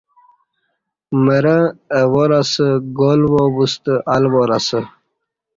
مرں اہ وار اسہ گال وابوستہ الوار اسہ